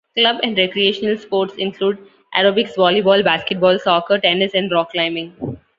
Club and recreational sports include aerobics, volleyball, basketball, soccer, tennis and rock climbing.